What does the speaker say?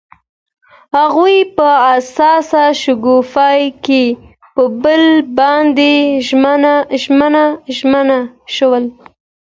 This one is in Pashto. هغوی په حساس شګوفه کې پر بل باندې ژمن شول.